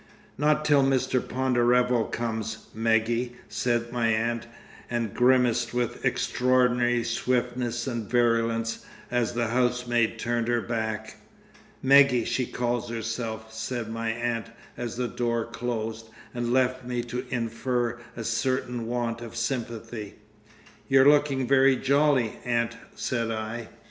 "Not till Mr. Ponderevo comes, Meggie," said my aunt, and grimaced with extraordinary swiftness and virulence as the housemaid turned her back. "Meggie she calls herself," said my aunt as the door closed, and left me to infer a certain want of sympathy. "You're looking very jolly, aunt," said I.